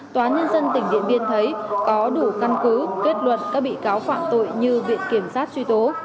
tòa nhân dân tỉnh điện biên thấy có đủ căn cứ kết luận các bị cáo phạm tội như viện kiểm sát truy tố